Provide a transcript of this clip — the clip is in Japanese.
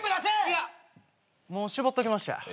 いやもう搾っときました。